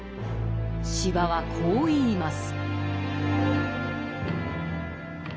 司馬はこう言います。